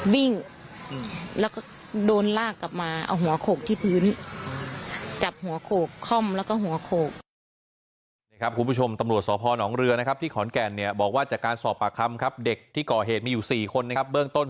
วิ่งแล้วก็โดนลากกลับมาเอาหัวโขกที่พื้น